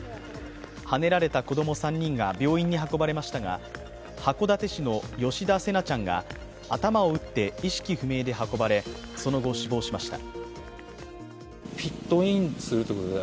はねられた子供３人が病院に運ばれましたが函館市の吉田成那ちゃんが頭を打って意識不明で運ばれ、その後死亡しました。